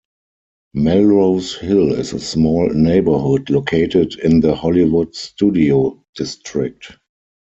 Melrose Hill is a small neighborhood located in the Hollywood Studio District.